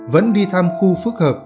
vẫn đi thăm khu phức hợp